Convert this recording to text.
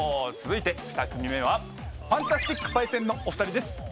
続いて２組目はファンタスティック☆パイセンのお二人です。